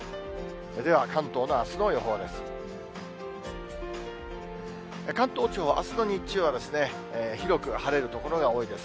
では関東のあすの予報です。